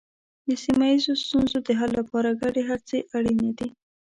د سیمه ییزو ستونزو د حل لپاره ګډې هڅې اړینې دي.